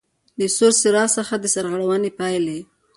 له سور څراغ څخه د سرغړونې پاېلې: